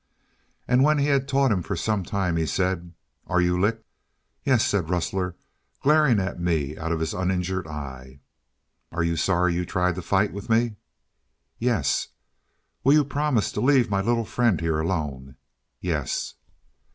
When he had taught him for some time, he said, "Are you licked?" "Yes," said Rustler, glaring at me out his uninjured eye. "Are you sorry you tried to fight with me?" "Yes." "Will you promise to leave my little friend here alone?" "Yes."